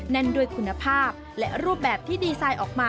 นั่นด้วยคุณภาพและรูปแบบที่ดีไซน์ออกมา